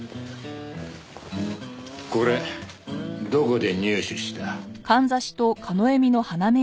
これどこで入手した？